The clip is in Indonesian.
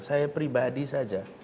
saya pribadi saja